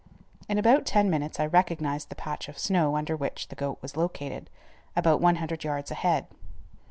In about ten minutes I recognized the patch of snow under which the goat was located, about one hundred yards ahead.